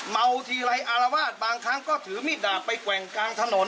เมาทีไรอารวาสบางครั้งก็ถือมีดดาบไปแกว่งกลางถนน